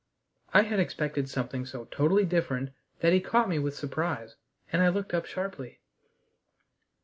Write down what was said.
I had expected something so totally different that he caught me with surprise, and I looked up sharply.